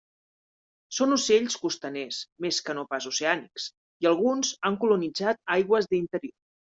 Són ocells costaners, més que no pas oceànics, i alguns han colonitzat aigües d'interior.